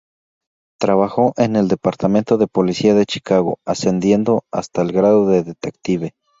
Trabajó en el Departamento de Policía de Chicago, ascendiendo hasta el grado de detective.